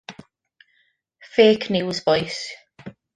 Ffêc niws, bois.